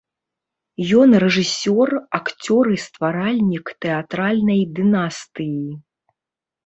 Ён рэжысёр, акцёр і стваральнік тэатральнай дынастыі.